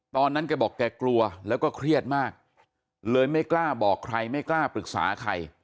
ตอนนั้นแกบอกแกกลัวแล้วก็เครียดมากเลยไม่กล้าบอกใครไม่กล้าปรึกษาใคร